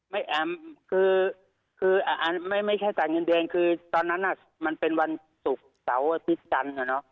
แอมคือไม่ใช่จ่ายเงินเดือนคือตอนนั้นมันเป็นวันศุกร์เสาร์อาทิตย์จันทร์